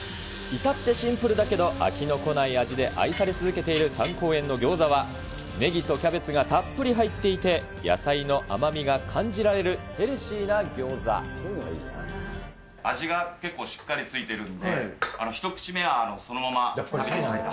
至ってシンプルだけど飽きのこない味で愛され続けている三幸園の餃子は、ネギとキャベツがたっぷり入っていて、野菜の甘みが味が結構しっかり付いてるんで、やっぱりそうなんだ？